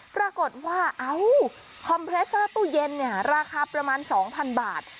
ปรากฏว่าเอ้าคอมเพรสเตอร์ตู้เย็นเนี่ยราคาประมาณ๒๐๐๐บาท